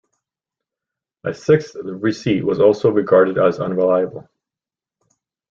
A sixth receipt was also regarded as unreliable.